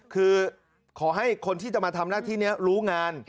คือขอให้คนที่จะมาทำหน้าที่นี้รู้งาน